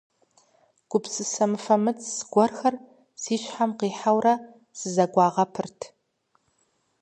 Гупсысэ мыфэмыц гуэрхэр си щхьэм къихьэурэ сызэгуагъэпырт.